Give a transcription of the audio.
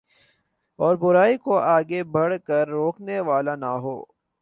اور برائی کوآگے بڑھ کر روکنے والا نہ ہو